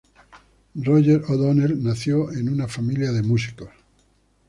Roger O'Donnell nació en una familia de músicos.